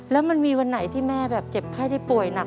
แล้วมันมีวันไหนที่แม่แบบเจ็บไข้ได้ป่วยหนัก